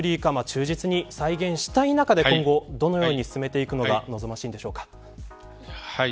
忠実に再現したい中で今後、どのように進めていくのが望ましいのでしょうか。